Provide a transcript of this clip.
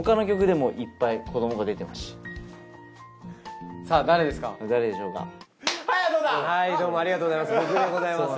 はいどうもありがとうございます。